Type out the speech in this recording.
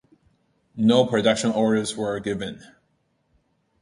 No production orders were given.